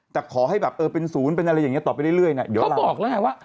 แต่ขอให้แบบเออเป็นศูนย์เป็นอะไรอย่างนี้ต่อไปเรื่อยนะ